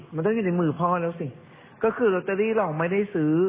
มันต้องอยู่ในมือพ่อแล้วสิก็คือลอตเตอรี่เราไม่ได้ซื้อ